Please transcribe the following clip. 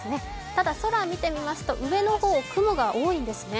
ただ、空を見てみますと上の方、雲が多いんですね。